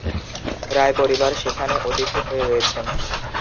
রায় পরিবার সেখানে অতিথি হয়ে রয়েছেন।